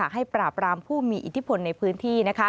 ให้ปราบรามผู้มีอิทธิพลในพื้นที่